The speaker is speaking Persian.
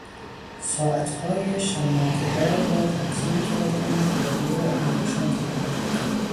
ساعتهای شماطهدار را تنظیم کردهاند که رادیو را هم روشن کنند.